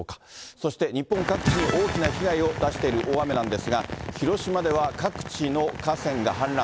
そして日本各地に大きな被害を出している大雨なんですが、広島では各地の河川が氾濫。